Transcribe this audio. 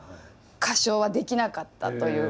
歌唱はできなかったという。